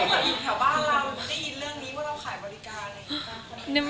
มีคนคอมเมนต์อยู่แถวบ้านเราได้ยินเรื่องนี้ว่าเราขายบริการ